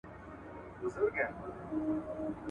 ځيني خوبونه د انسان له ورځنيو فکرونو سره تړاو لري.